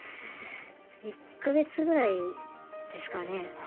１か月ぐらいですかね。